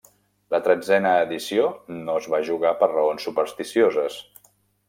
La tretzena edició no es va jugar per raons supersticioses.